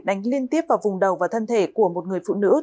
đánh liên tiếp vào vùng đầu và thân thể của một người phụ nữ